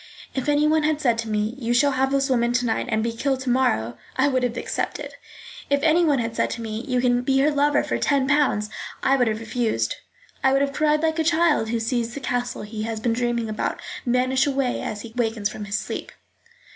If anyone had said to me, You shall have this woman to night and be killed tomorrow, I would have accepted. If anyone had said to me, you can be her lover for ten pounds, I would have refused. I would have cried like a child who sees the castle he has been dreaming about vanish away as he awakens from sleep.